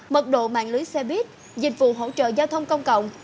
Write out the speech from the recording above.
mật độ mạng lưới xe buýt dịch vụ hỗ trợ giao thông công cộng